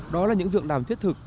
đó là những vượng đàm thiết thực